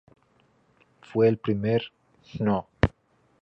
Fue el primer Hno.